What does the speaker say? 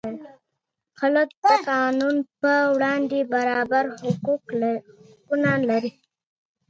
شمالي امریکا، منځنۍ امریکا او جنوبي امریکا دي.